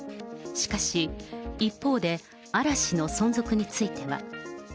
しかし、一方で嵐の存続については。